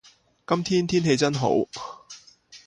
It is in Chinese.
今天天气真好。